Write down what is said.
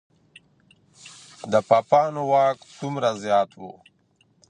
د پاپانو واک څومره زیات و؟